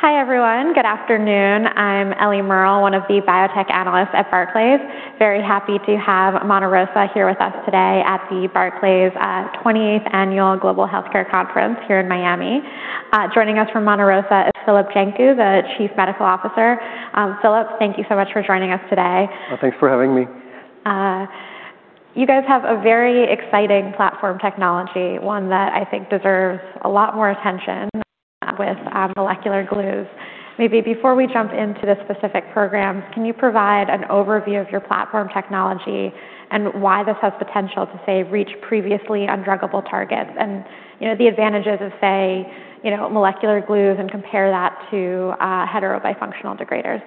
Hi, everyone. Good afternoon. I'm Ellie Merle, one of the biotech analysts at Barclays. Very happy to have Monte Rosa here with us today at the Barclays 28th Annual Global Healthcare Conference here in Miami. Joining us from Monte Rosa is Filip Janku, the Chief Medical Officer. Filip, thank you so much for joining us today. Thanks for having me. You guys have a very exciting platform technology, one that I think deserves a lot more attention with molecular glues. Maybe before we jump into the specific programs, can you provide an overview of your platform technology and why this has potential to, say, reach previously undruggable targets and, you know, the advantages of, say, you know, molecular glues and compare that to heterobifunctional degraders?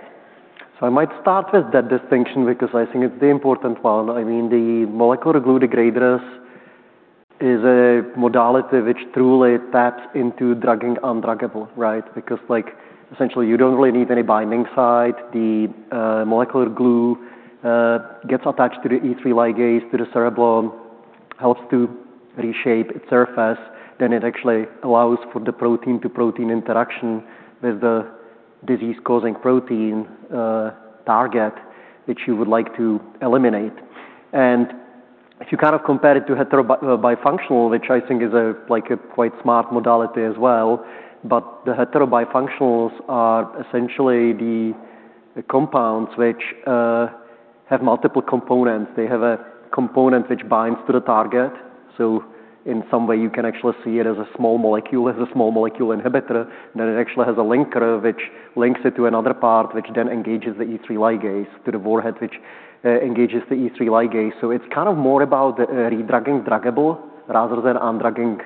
I might start with that distinction because I think it's the important one. I mean, the molecular glue degraders is a modality which truly taps into drugging undruggable, right? Because, like, essentially, you don't really need any binding site. The molecular glue gets attached to the E3 ligase, to the cereblon, helps to reshape its surface. Then it actually allows for the protein-to-protein interaction with the disease-causing protein target which you would like to eliminate. And if you kind of compare it to heterobifunctional, which I think is a, like a quite smart modality as well, but the heterobifunctionals are essentially the compounds which have multiple components. They have a component which binds to the target. So in some way, you can actually see it as a small molecule, as a small molecule inhibitor. It actually has a linker which links it to another part, which then engages the E3 ligase to the warhead, which engages the E3 ligase. It's kind of more about redrugging druggable rather than drugging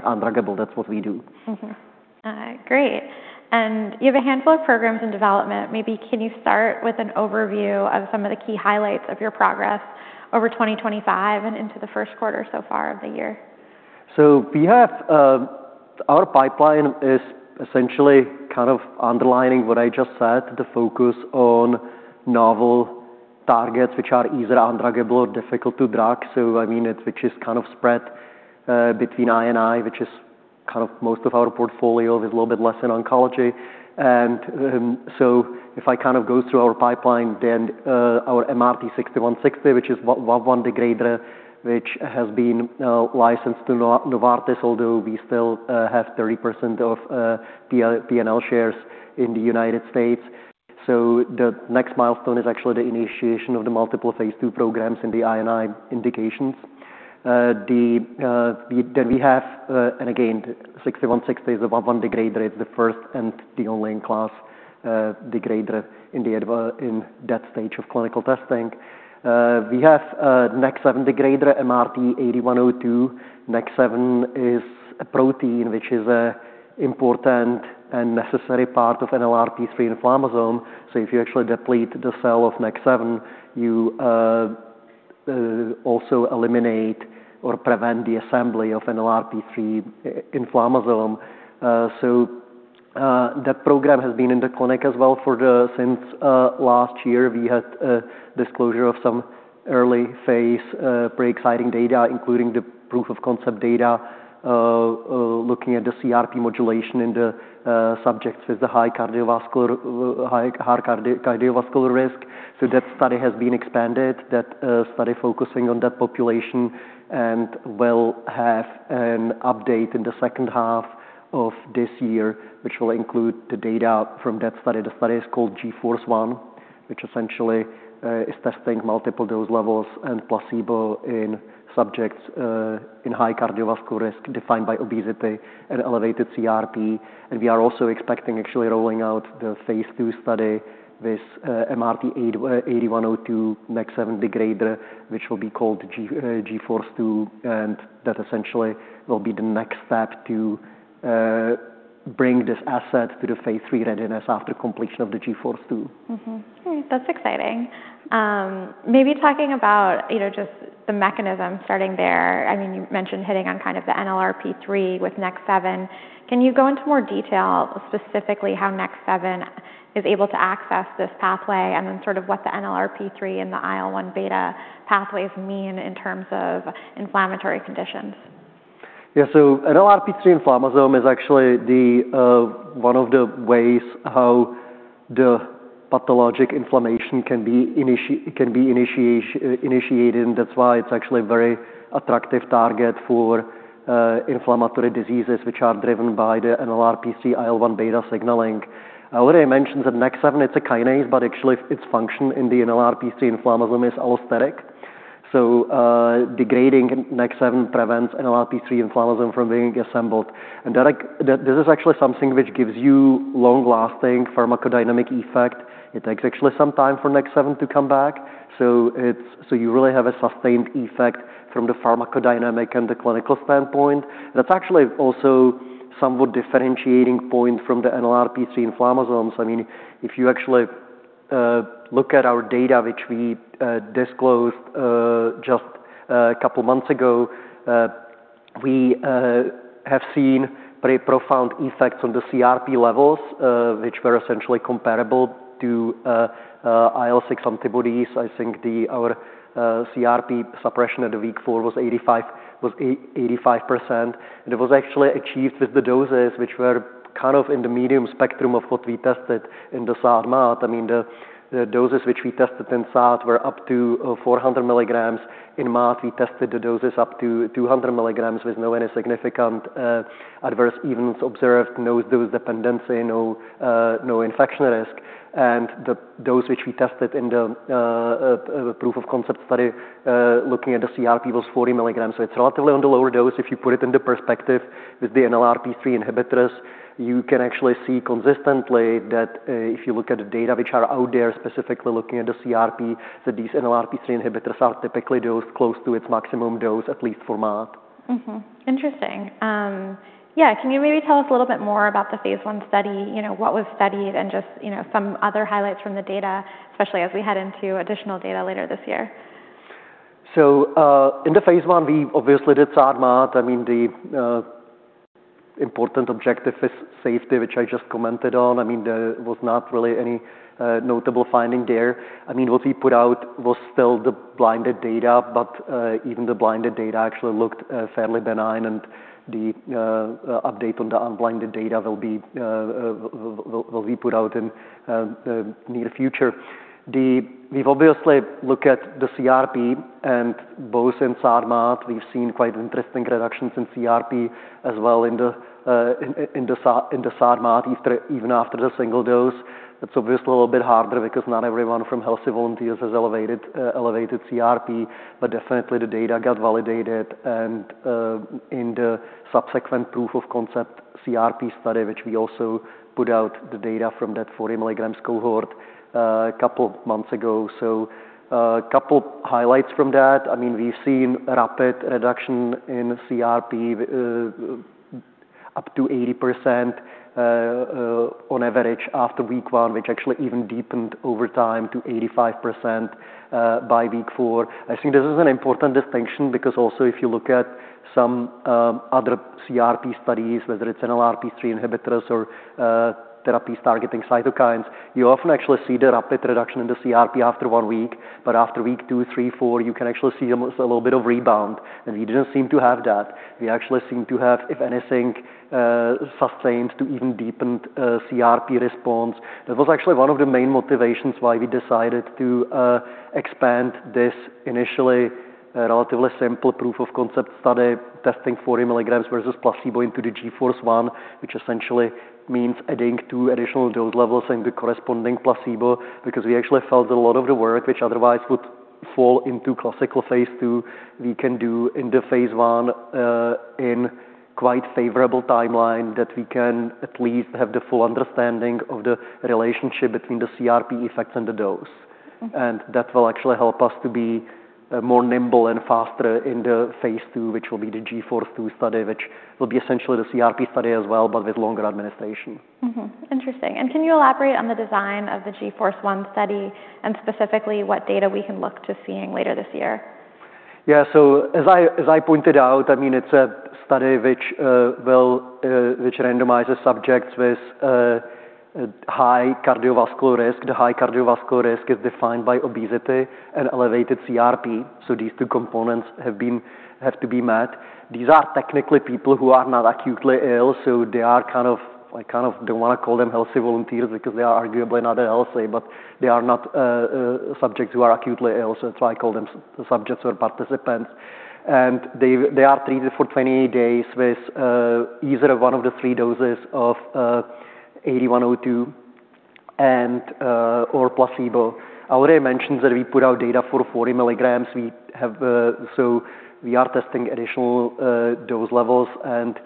undruggable. That's what we do. Great. You have a handful of programs in development. Maybe can you start with an overview of some of the key highlights of your progress over 2025 and into the first quarter so far of the year? Our pipeline is essentially kind of underlining what I just said, the focus on novel targets which are either undruggable or difficult to drug. I mean, which is kind of spread between I&I, which is kind of most of our portfolio. There's a little bit less in oncology. If I kind of go through our pipeline, our MRT-6160, which is VAV1 degrader, which has been licensed to Novartis, although we still have 30% of P&L shares in the United States. The next milestone is actually the initiation of the multiple phase II programs in the I&I indications. We have, and again, MRT-6160 is a VAV1 degrader. It's the first and the only first-in-class degrader in that stage of clinical testing. We have a NEK7 degrader, MRT-8102. NEK7 is a protein which is an important and necessary part of NLRP3 inflammasome. If you actually deplete the cell of NEK7, you also eliminate or prevent the assembly of NLRP3 inflammasome. That program has been in the clinic as well since last year. We had a disclosure of some early phase pretty exciting data, including the proof of concept data, looking at the CRP modulation in the subjects with the high cardiovascular risk. That study has been expanded, focusing on that population, and we'll have an update in the second half of this year, which will include the data from that study. The study is called GFORCE-1, which essentially is testing multiple dose levels and placebo in subjects in high cardiovascular risk defined by obesity and elevated CRP. We are also expecting actually rolling out the phase II study with MRT-8102 NEK7 degrader, which will be called GFORCE-2, and that essentially will be the next step to bring this asset to the phase III readiness after completion of the GFORCE-2. Mm-hmm. That's exciting. Maybe talking about, you know, just the mechanism starting there. I mean, you mentioned hitting on kind of the NLRP3 with NEK7. Can you go into more detail specifically how NEK7 is able to access this pathway and then sort of what the NLRP3 and the IL-1 beta pathways mean in terms of inflammatory conditions? NLRP3 inflammasome is actually the one of the ways how the pathologic inflammation can be initiated, and that's why it's actually a very attractive target for inflammatory diseases which are driven by the NLRP3 IL-1β signaling. I already mentioned that NEK7, it's a kinase, but actually its function in the NLRP3 inflammasome is allosteric. Degrading NEK7 prevents NLRP3 inflammasome from being assembled. That this is actually something which gives you long-lasting pharmacodynamic effect. It takes actually some time for NEK7 to come back. You really have a sustained effect from the pharmacodynamic and the clinical standpoint. That's actually also somewhat differentiating point from the NLRP3 inflammasomes. I mean, if you actually look at our data, which we disclosed just a couple months ago, we have seen very profound effects on the CRP levels, which were essentially comparable to IL-6 antibodies. I think our CRP suppression at week four was 85%. It was actually achieved with the doses which were kind of in the medium spectrum of what we tested in the SAD/MAD. I mean, the doses which we tested in SAD were up to 400 mg. In MAD, we tested the doses up to 200 mg with no any significant adverse events observed, no dose dependency, no infection risk. The dose which we tested in the proof of concept study looking at the CRP was 40 mg. It's relatively on the lower dose. If you put it into perspective with the NLRP3 inhibitors, you can actually see consistently that, if you look at the data which are out there, specifically looking at the CRP, that these NLRP3 inhibitors are typically dosed close to its maximum dose, at least for MAD. Mm-hmm. Interesting. Yeah, can you maybe tell us a little bit more about the phase I study? You know, what was studied and just, you know, some other highlights from the data, especially as we head into additional data later this year. in the phase I, we obviously did SAD/MAD. I mean, the important objective is safety, which I just commented on. I mean, there was not really any notable finding there. I mean, what we put out was still the blinded data, but even the blinded data actually looked fairly benign. the update on the unblinded data will be put out in the near future. We've obviously looked at the CRP, and both in SAD/MAD, we've seen quite interesting reductions in CRP as well in the SAD/MAD, even after the single dose. It's obviously a little bit harder because not everyone from healthy volunteers has elevated CRP. Definitely the data got validated, and in the subsequent proof of concept CRP study, which we also put out the data from that 40 mg cohort a couple of months ago. A couple highlights from that. I mean, we've seen rapid reduction in CRP, up to 80%, on average after week one, which actually even deepened over time to 85%, by week four. I think this is an important distinction because also if you look at some other CRP studies, whether it's NLRP3 inhibitors or therapies targeting cytokines, you often actually see the rapid reduction in the CRP after one week. After week two, three, four, you can actually see almost a little bit of rebound. We didn't seem to have that. We actually seem to have, if anything, sustained to even deepened CRP response. That was actually one of the main motivations why we decided to expand this initially relatively simple proof of concept study testing 40 mg versus placebo into the GFORCE-1, which essentially means adding two additional dose levels and the corresponding placebo. Because we actually felt a lot of the work which otherwise would fall into classical phase II, we can do in the phase I, in quite favorable timeline that we can at least have the full understanding of the relationship between the CRP effects and the dose. Mm-hmm. That will actually help us to be more nimble and faster in the phase II, which will be the GFORCE-2 study, which will be essentially the CRP study as well, but with longer administration. Interesting. Can you elaborate on the design of the GFORCE-1 study and specifically what data we can look to seeing later this year? Yeah. As I pointed out, I mean, it's a study which randomizes subjects with high cardiovascular risk. The high cardiovascular risk is defined by obesity and elevated CRP. These two components have to be met. These are technically people who are not acutely ill. I kind of don't want to call them healthy volunteers because they are arguably not healthy, but they are not subjects who are acutely ill. That's why I call them subjects or participants. They are treated for 20 days with either one of the three doses of MRT-8102 or placebo. I already mentioned that we put out data for 40 mg. We have We are testing additional dose levels, and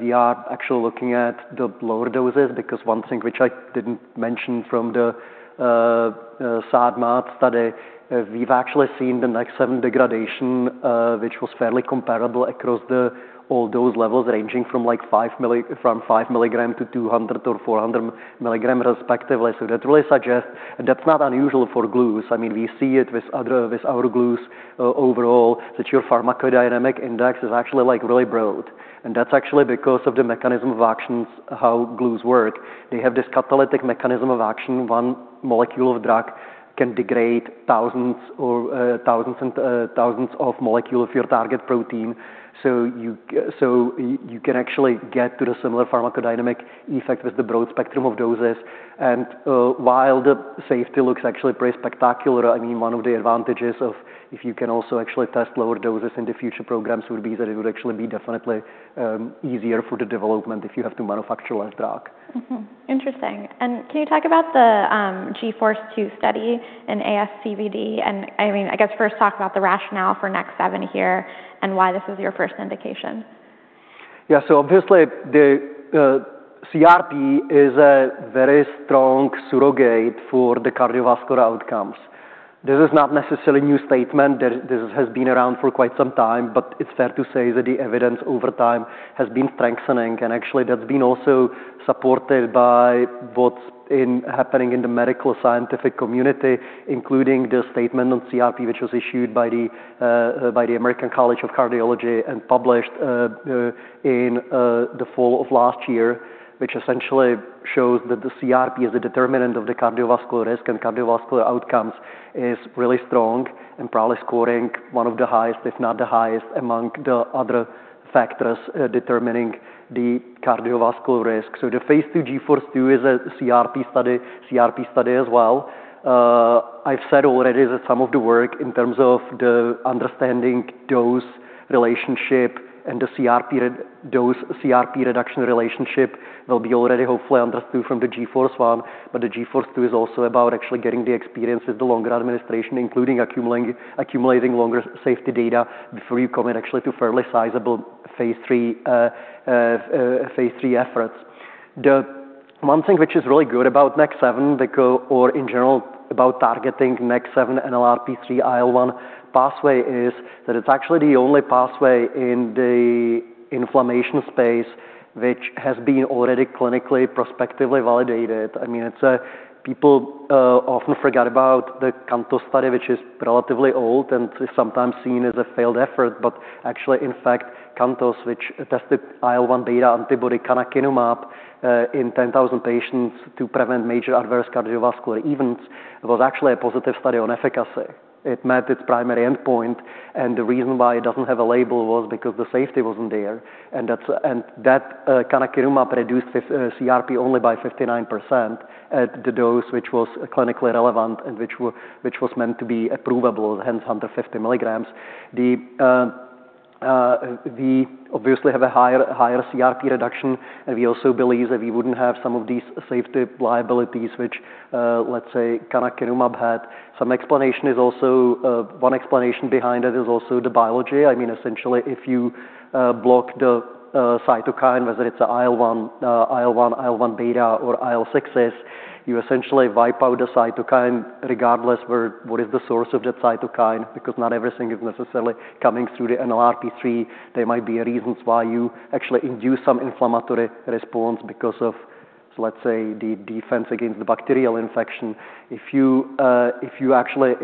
we are actually looking at the lower doses because one thing which I didn't mention from the SAD/MAD study, we've actually seen the NEK7 degradation, which was fairly comparable across all dose levels, ranging from like 5 mg to 200 mg or 400 mg respectively. That really suggests. That's not unusual for glues. I mean, we see it with our glues overall, that your pharmacodynamic index is actually, like, really broad. That's actually because of the mechanism of actions, how glues work. They have this catalytic mechanism of action. One molecule of drug can degrade thousands of molecule of your target protein. You can actually get to the similar pharmacodynamic effect with the broad spectrum of doses. While the safety looks actually pretty spectacular, I mean, one of the advantages of if you can also actually test lower doses in the future programs would be that it would actually be definitely easier for the development if you have to manufacture a drug. Mm-hmm. Interesting. Can you talk about the GFORCE-2 study in ASCVD? I mean, I guess first talk about the rationale for NEK7 here and why this is your first indication. Yeah. Obviously, the CRP is a very strong surrogate for the cardiovascular outcomes. This is not necessarily new statement. This has been around for quite some time, but it's fair to say that the evidence over time has been strengthening and actually that's been also supported by what's happening in the medical scientific community, including the statement on CRP, which was issued by the American College of Cardiology and published in the fall of last year, which essentially shows that the CRP as a determinant of the cardiovascular risk and cardiovascular outcomes is really strong and probably scoring one of the highest, if not the highest, among the other factors determining the cardiovascular risk. The phase II GFORCE-2 is a CRP study, CRP study as well. I've said already that some of the work in terms of the understanding dose relationship and the CRP dose, CRP reduction relationship will be already hopefully understood from the GFORCE-1, but the GFORCE-2 is also about actually getting the experience with the longer administration, including accumulating longer safety data before you commit actually to fairly sizable phase III efforts. The one thing which is really good about NEK7 or in general about targeting NEK7 NLRP3 IL-1 pathway is that it's actually the only pathway in the inflammation space which has been already clinically prospectively validated. I mean, people often forget about the CANTOS study, which is relatively old and is sometimes seen as a failed effort. Actually, in fact, CANTOS, which tested IL-1 beta antibody canakinumab in 10,000 patients to prevent major adverse cardiovascular events, was actually a positive study on efficacy. It met its primary endpoint, and the reason why it doesn't have a label was because the safety wasn't there. That canakinumab reduced CRP only by 59% at the dose, which was clinically relevant and which was meant to be approvable, hence under 50 mg. We obviously have a higher CRP reduction, and we also believe that we wouldn't have some of these safety liabilities which, let's say canakinumab had. One explanation behind it is also the biology. I mean, essentially, if you block the cytokine, whether it's IL-1, IL-1β or IL-6s, you essentially wipe out the cytokine regardless what the source of that cytokine is, because not everything is necessarily coming through the NLRP3. There might be reasons why you actually induce some inflammatory response because of, let's say, the defense against the bacterial infection. If you actually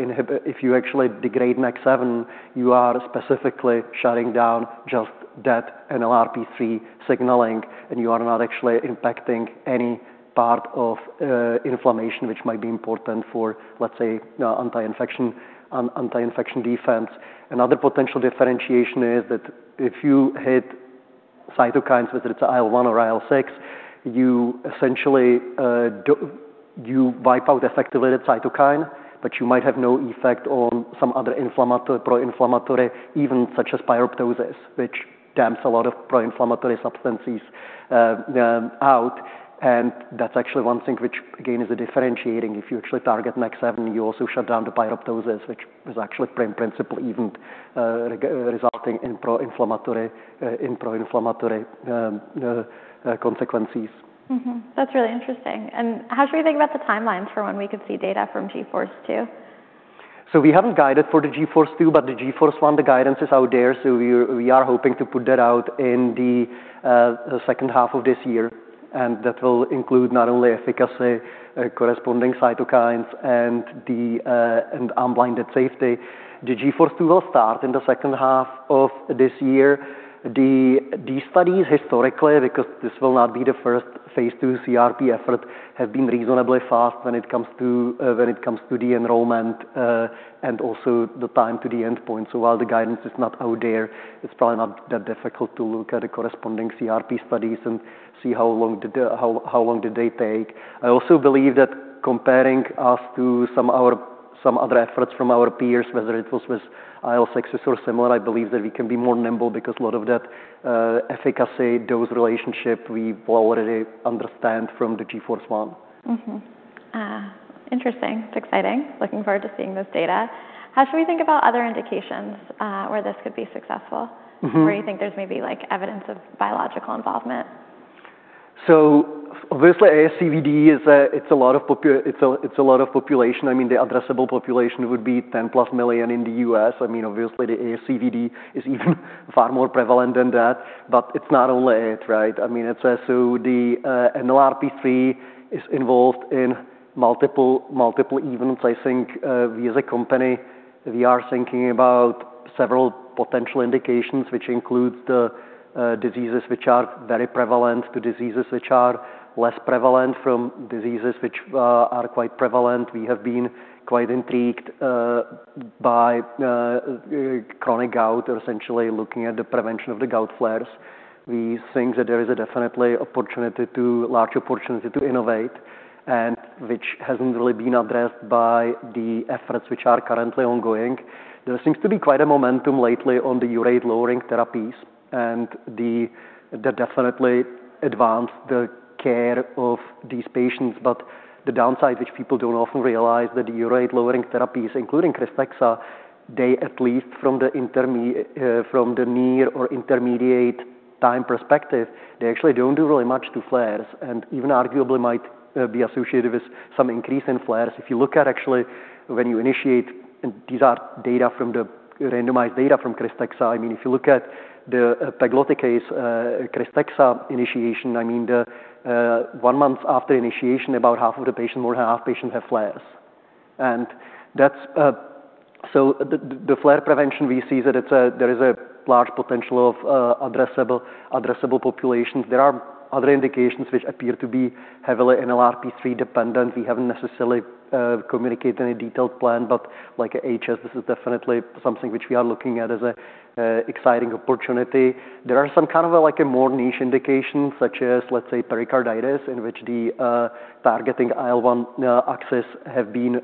degrade NEK7, you are specifically shutting down just that NLRP3 signaling, and you are not actually impacting any part of inflammation which might be important for, let's say, anti-infection defense. Another potential differentiation is that if you hit cytokines, whether it's IL-1 or IL-6, you essentially you wipe out effector cytokine, but you might have no effect on some other inflammatory, pro-inflammatory event such as pyroptosis, which dumps a lot of pro-inflammatory substances out. That's actually one thing which again is differentiating. If you actually target NEK7, you also shut down the pyroptosis, which is actually principal event resulting in pro-inflammatory consequences. That's really interesting. How should we think about the timelines for when we could see data from GFORCE-2? We haven't guided for the GFORCE-2, but the GFORCE-1, the guidance is out there. We are hoping to put that out in the second half of this year, and that will include not only efficacy, corresponding cytokines and unblinded safety. The GFORCE-2 will start in the second half of this year. These studies historically, because this will not be the first phase II CRP effort, have been reasonably fast when it comes to enrollment and also the time to the endpoint. While the guidance is not out there, it's probably not that difficult to look at the corresponding CRP studies and see how long did they take. I also believe that comparing us to some other efforts from our peers, whether it was with IL-6s or similar, I believe that we can be more nimble because a lot of that efficacy dose relationship we already understand from the GFORCE-1. Interesting. It's exciting. Looking forward to seeing this data. How should we think about other indications where this could be successful? Mm-hmm. Where you think there's maybe, like, evidence of biological involvement? Obviously ASCVD is a lot of population. I mean, the addressable population would be 10+ million in the U.S. I mean, obviously ASCVD is even far more prevalent than that, but it's not only it, right? I mean, the NLRP3 is involved in multiple events. I think we as a company are thinking about several potential indications, which includes the diseases which are very prevalent to diseases which are less prevalent from diseases which are quite prevalent. We have been quite intrigued by chronic gout or essentially looking at the prevention of the gout flares. We think that there is definitely a large opportunity to innovate, which hasn't really been addressed by the efforts which are currently ongoing. There seems to be quite a momentum lately on the urate-lowering therapies and they definitely advance the care of these patients. The downside, which people don't often realize, that urate-lowering therapies, including KRYSTEXXA at least from the near or intermediate time perspective, they actually don't do really much to flares and even arguably might be associated with some increase in flares. If you look at actually when you initiate, and these are data from the randomized data from KRYSTEXXA, I mean, if you look at the pegloticase, KRYSTEXXA initiation, I mean, the one month after initiation, about half of the patient, more than half patients have flares. That's so the flare prevention, we see that there is a large potential of addressable populations. There are other indications which appear to be heavily NLRP3 dependent. We haven't necessarily communicated any detailed plan, but like HS, this is definitely something which we are looking at as an exciting opportunity. There are some kind of like more niche indications such as, let's say, pericarditis, in which the targeting IL-1 axis have been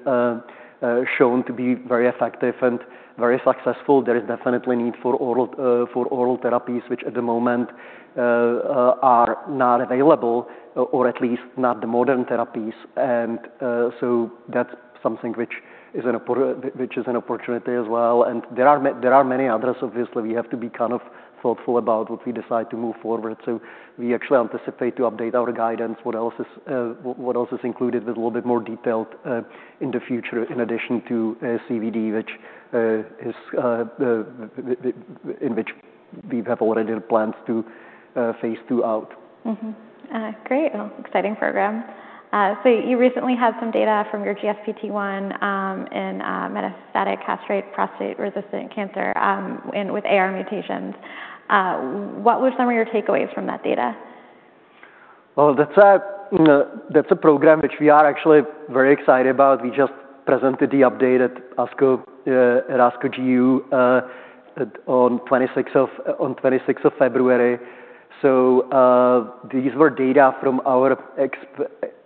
shown to be very effective and very successful. There is definitely need for oral therapies, which at the moment are not available or at least not the modern therapies. That's something which is an opportunity as well. There are many others. Obviously, we have to be kind of thoughtful about what we decide to move forward. We actually anticipate to update our guidance, what else is included with a little bit more detail in the future, in addition to CVD, in which we have already plans to phase II out. Mm-hmm. Great. Well, exciting program. You recently had some data from your GSPT1 in metastatic castration-resistant prostate cancer and with AR mutations. What were some of your takeaways from that data? Well, that's a program which we are actually very excited about. We just presented the update at ASCO GU on 26th of February. These were data from our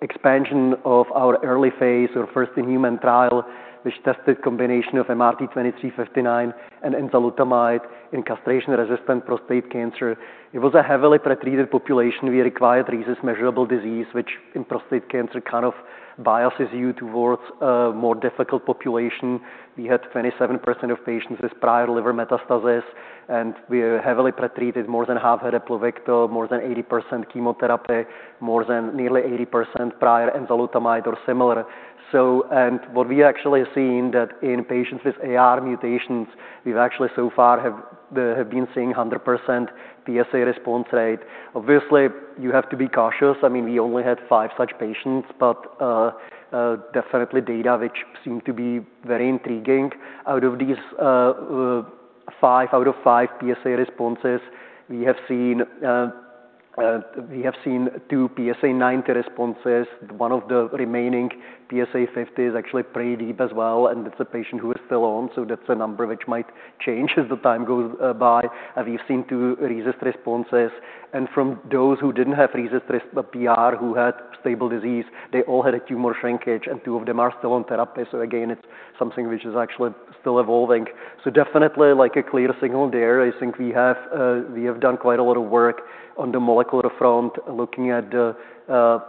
expansion of our early phase, our first-in-human trial, which tested combination of MRT-2359 and enzalutamide in castration-resistant prostate cancer. It was a heavily pretreated population. We required RECIST-measurable disease, which in prostate cancer kind of biases you towards a more difficult population. We had 27% of patients with prior liver metastasis, and they were heavily pretreated, more than half had PLUVICTO, more than 80% chemotherapy, more than nearly 80% prior enzalutamide or similar. What we actually seen that in patients with AR mutations, we've actually so far have been seeing 100% PSA response rate. Obviously, you have to be cautious. I mean, we only had five such patients, but definitely data which seem to be very intriguing. Out of these, five out of five PSA responses, we have seen two PSA 90 responses. One of the remaining PSA 50s actually pretty deep as well, and that's a patient who is still on. That's a number which might change as the time goes by. We've seen two RECIST responses. From those who didn't have RECIST but PR, who had stable disease, they all had a tumor shrinkage, and two of them are still on therapy. Again, it's something which is actually still evolving. Definitely like a clear signal there. I think we have done quite a lot of work on the molecular front, looking at the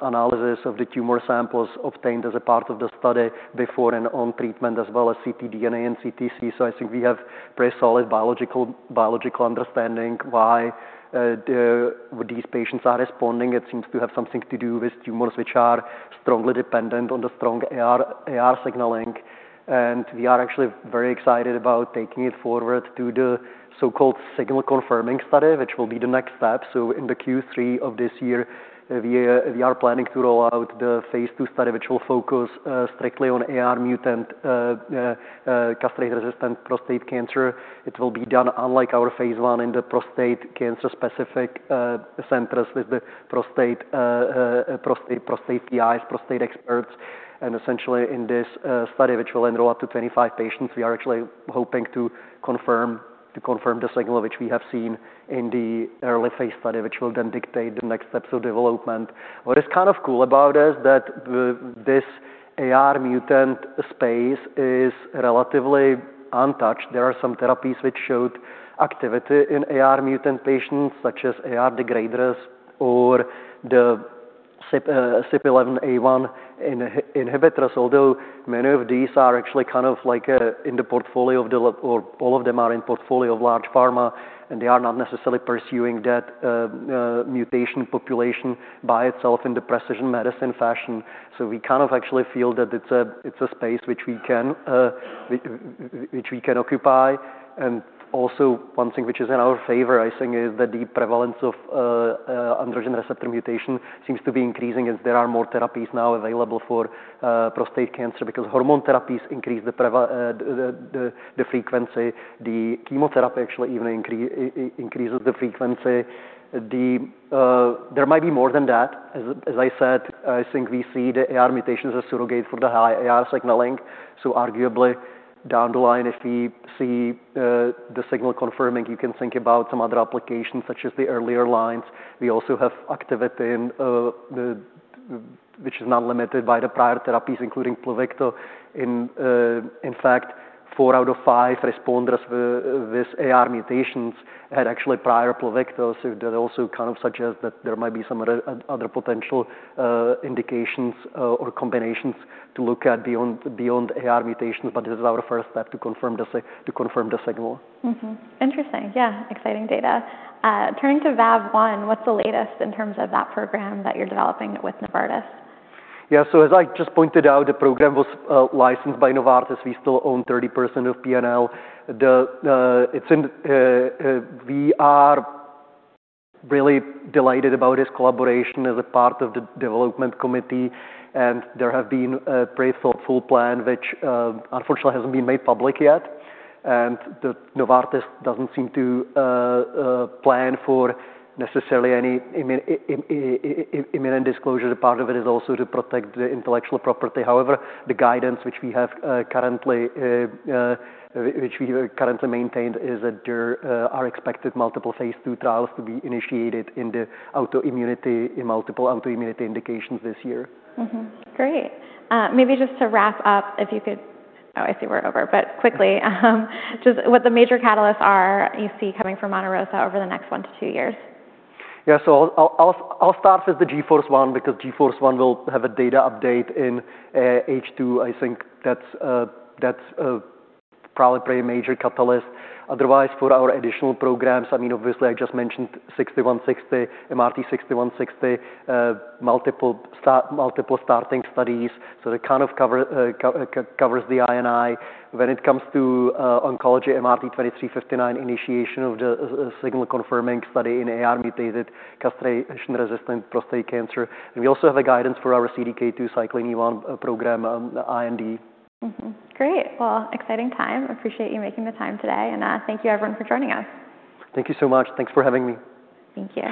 analysis of the tumor samples obtained as a part of the study before and on treatment, as well as ctDNA and CTC. I think we have pretty solid biological understanding why these patients are responding. It seems to have something to do with tumors which are strongly dependent on the strong AR signaling. We are actually very excited about taking it forward to the so-called signal confirming study, which will be the next step. In the Q3 of this year, we are planning to roll out the phase II study, which will focus strictly on AR mutant castration-resistant prostate cancer. It will be done unlike our phase I in the prostate cancer-specific centers with the prostate PIs, prostate experts. Essentially in this study, which will enroll up to 25 patients, we are actually hoping to confirm the signal which we have seen in the early phase study, which will then dictate the next steps of development. What is kind of cool about is that this AR mutant space is relatively untouched. There are some therapies which showed activity in AR mutant patients such as AR degraders or the CYP11A1 inhibitors, although many of these are actually kind of like in the portfolio of development or all of them are in portfolio of large pharma, and they are not necessarily pursuing that mutation population by itself in the precision medicine fashion. We kind of actually feel that it's a space which we can occupy. Also one thing which is in our favor, I think, is that the prevalence of androgen receptor mutation seems to be increasing as there are more therapies now available for prostate cancer because hormone therapies increase the frequency. The chemotherapy actually even increases the frequency. There might be more than that. As I said, I think we see the AR mutations as surrogate for the high AR signaling. Arguably, down the line, if we see the signal confirming, you can think about some other applications such as the earlier lines. We also have activity in which is not limited by the prior therapies, including PLUVICTO. In fact, four out of five responders with AR mutations had actually prior PLUVICTO. That also kind of suggests that there might be some other potential indications or combinations to look at beyond AR mutations. This is our first step to confirm the signal. Mm-hmm. Interesting. Yeah. Exciting data. Turning to VAV1, what's the latest in terms of that program that you're developing with Novartis? Yeah, so as I just pointed out, the program was licensed by Novartis. We still own 30% of P&L. We are really delighted about this collaboration as a part of the development committee, and there have been a pretty thoughtful plan which, unfortunately hasn't been made public yet. Novartis doesn't seem to plan for necessarily any imminent disclosure. Part of it is also to protect the intellectual property. However, the guidance which we have currently, which we currently maintain is that there are expected multiple phase II trials to be initiated in the autoimmunity, in multiple autoimmunity indications this year. Mm-hmm. Great. Oh, I see we're over, but quickly, just what the major catalysts are you see coming from Monte Rosa over the next 1-2 years? Yeah. I'll start with the GFORCE-1 because GFORCE-1 will have a data update in H2. I think that's probably pretty major catalyst. Otherwise, for our additional programs, I mean, obviously, I just mentioned 6160, MRT-6160, multiple starting studies. That kind of covers the I&I. When it comes to oncology, MRT-2359, initiation of the signal confirming study in AR-mutated castration-resistant prostate cancer. We also have a guidance for our CDK2 Cyclin E1 program, the IND. Mm-hmm. Great. Well, exciting time. Appreciate you making the time today. thank you everyone for joining us. Thank you so much. Thanks for having me. Thank you.